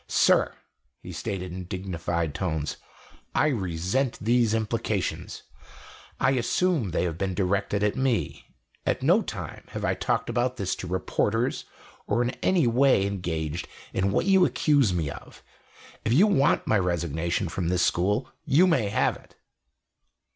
"Sir," he stated in dignified tones, "I resent these implications. I assume they have been directed at me. At no time have I talked about this to reporters, or in any way engaged in what you accuse me of. If you want my resignation from this school, you may have it."